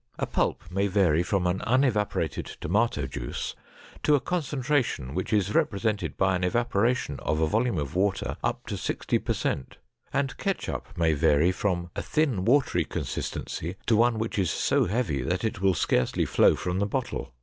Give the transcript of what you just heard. A pulp may vary from an unevaporated tomato juice to a concentration which is represented by an evaporation of a volume of water up to 60 per cent, and ketchup may vary from a thin watery consistency to one which is so heavy that it will scarcely flow from the bottle.